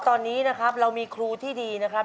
ตอนนี้นะครับเรามีครูที่ดีนะครับ